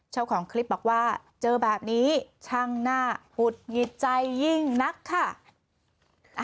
เจ้าของคลิปบอกว่าเจอแบบนี้ช่างหน้าหุดหงิดใจยิ่งนักค่ะ